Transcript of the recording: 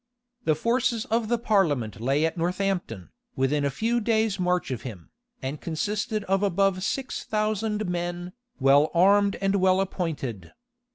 The forces of the parliament lay at Northampton, within a few days' march of him, and consisted of above six thousand men, well armed and well appointed.